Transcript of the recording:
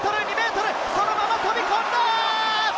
そのまま飛び込んだ！